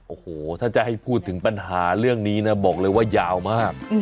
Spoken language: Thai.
โอ้โหถ้าจะให้พูดถึงปัญหาเรื่องนี้นะบอกเลยว่ายาวมาก